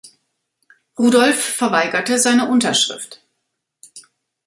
Rudolf verweigerte seine Unterschrift.